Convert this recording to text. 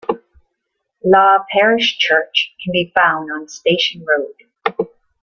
Law Parish Church can be found on Station Road.